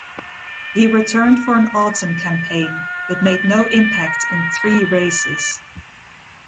He returned for an autumn campaign but made no impact in three races.